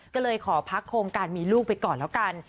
ก็เลยขอพักโครงการมีลูกไปก่อนแล้วกัน